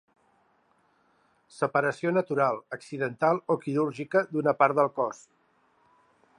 Separació natural, accidental o quirúrgica d'una part del cos.